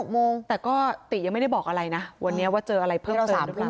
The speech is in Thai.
โมงแต่ก็ติยังไม่ได้บอกอะไรนะวันนี้ว่าเจออะไรเพิ่ม๓หรือเปล่า